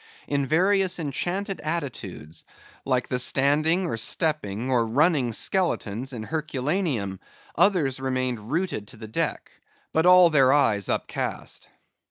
In various enchanted attitudes, like the standing, or stepping, or running skeletons in Herculaneum, others remained rooted to the deck; but all their eyes upcast.